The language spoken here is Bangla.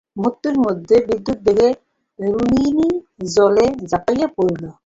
মুহূর্তমধ্যে বিদ্যুদ্বেগে রুক্মিণী জলে ঝাঁপাইয়া পড়িল।